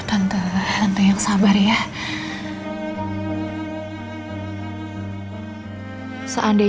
apalagi yang merampas andin